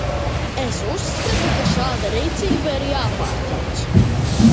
Es uzskatu, ka šāda rīcība ir jāpārtrauc.